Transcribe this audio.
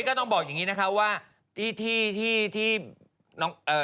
ของน้อง